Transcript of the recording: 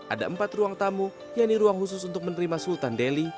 ada empat ruang tamu yaitu ruang khusus untuk menerima sultan delhi